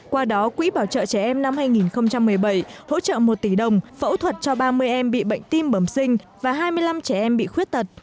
qua đó quỹ bảo trợ trẻ em năm hai nghìn một mươi bảy hỗ trợ một tỷ đồng phẫu thuật cho ba mươi em bị bệnh tim bẩm sinh và hai mươi năm trẻ em bị khuyết tật